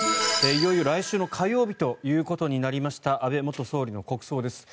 いよいよ来週の火曜日となりました安倍元総理の国葬です。